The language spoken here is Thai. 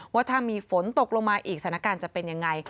ว่าถ้ามีฝนตกลงมาอีกสถานการณ์จะเป็นยังไง